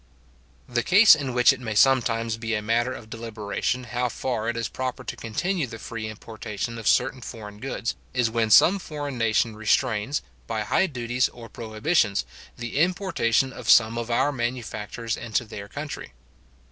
The case in which it may sometimes be a matter of deliberation how far it is proper to continue the free importation of certain foreign goods, is when some foreign nation restrains, by high duties or prohibitions, the importation of some of our manufactures into their country.